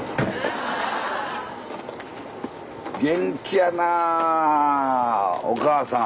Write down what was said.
元気やなおかあさん。